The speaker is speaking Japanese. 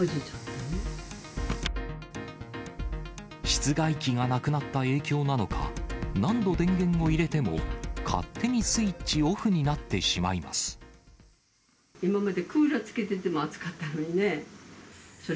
室外機がなくなった影響なのか、何度電源を入れても、勝手にスイッチオフになってしまいます。